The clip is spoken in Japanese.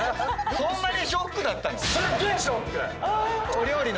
そんなにショックだったの？